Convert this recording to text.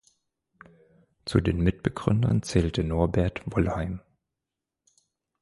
Zu den Mitbegründern zählte Norbert Wollheim.